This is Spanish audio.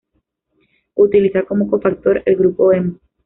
Utiliza como cofactor el grupo hemo.